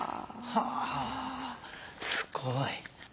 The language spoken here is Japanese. はあすごい。